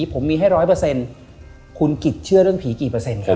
ผมมีให้ร้อยเปอร์เซ็นต์คุณกิจเชื่อเรื่องผีกี่เปอร์เซ็นครับ